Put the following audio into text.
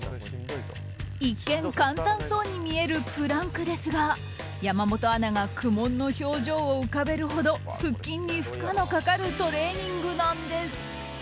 一見、簡単そうに見えるプランクですが山本アナが苦悶の表情を浮かべるほど腹筋に負荷のかかるトレーニングなんです。